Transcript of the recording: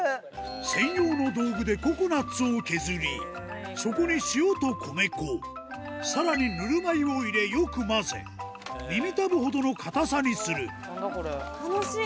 専用の道具でココナッツを削り、そこに塩と米粉、さらにぬるま湯を入れよく混ぜ、楽しい。